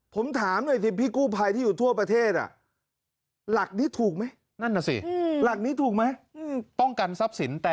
ผมถามหน่อยสิพี่กู้ภัยที่อยู่ทั่วประเทศอ่ะ